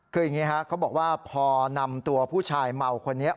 คืออย่างนี้ฮะเขาบอกว่าพอนำตัวผู้ชายเมาคนนี้